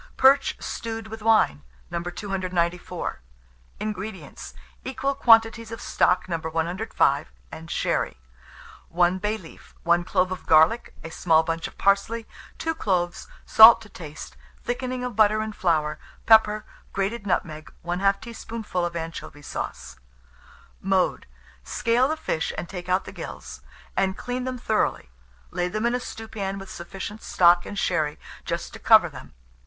PERCH STEWED WITH WINE. 294. INGREDIENTS. Equal quantities of stock No. 105 and sherry, 1 bay leaf, 1 clove of garlic, a small bunch of parsley, 2 cloves, salt to taste; thickening of butter and flour, pepper, grated nutmeg, 1/2 teaspoonful of anchovy sauce. Mode. Scale the fish and take out the gills, and clean them thoroughly; lay them in a stewpan with sufficient stock and sherry just to cover them.